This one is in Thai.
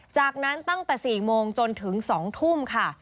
จากนั้นตั้งแต่๔โมงจนถึง๒ทุ่มค่ะ